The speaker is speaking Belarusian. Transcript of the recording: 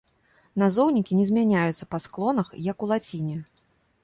Назоўнікі не змяняюцца па склонах, як у лаціне.